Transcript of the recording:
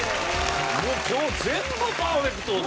もう今日全部パーフェクトですよ。